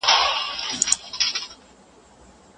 زده کوونکي ماشومان پرمختګ رامنځته کوي.